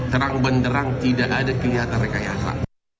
terang benderang tidak ada kelihatan rekayasa